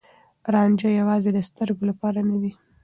رانجه يوازې د سترګو لپاره نه دی.